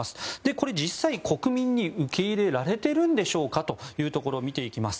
これ、実際、国民に受け入れられているんでしょうかというところを見ていきます。